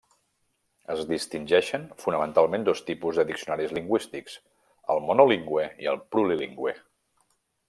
Es distingeixen fonamentalment dos tipus de diccionaris lingüístics: el monolingüe i el plurilingüe.